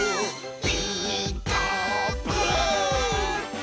「ピーカーブ！」